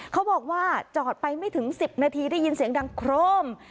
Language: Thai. เขาบอกว่าจอดไปไม่ถึง๑๐นาทีได้ยินเสียงดังโครม